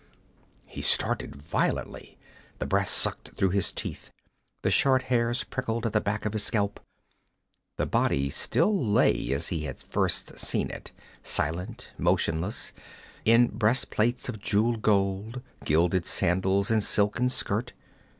He started violently. The breath sucked through his teeth, the short hairs prickled at the back of his scalp. The body still lay as he had first seen it, silent, motionless, in breast plates of jeweled gold, gilded sandals and silken shirt.